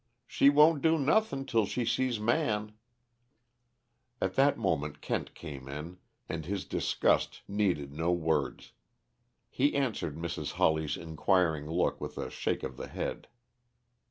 She won't do nothing till she sees Man " At that moment Kent came in, and his disgust needed no words. He answered Mrs. Hawley's inquiring look with a shake of the head.